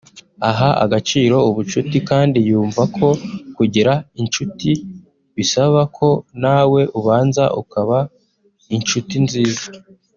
Aha agaciro ubucuti kandi yumva ko kugira incuti bisaba ko nawe ubanza ukaba incuti nziza